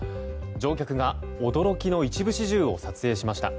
乗客が驚きの一部始終を撮影しました。